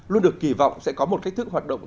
luôn được kỳ vọng sẽ có một cách thức hoạt động